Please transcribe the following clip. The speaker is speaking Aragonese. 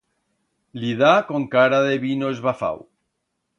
Li da con cara de vino esbafau.